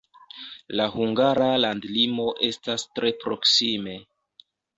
La hungara landlimo estas tre proksime.